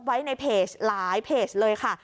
ไว้ในเพจหลายเพจเลยค่ะ